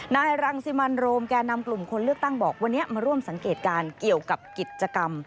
นายรังสิมันโรมแก่นำกลุ่มคนเลือกตั้งบอกวันนี้มาร่วมสังเกตการณ์เกี่ยวกับกิจกรรม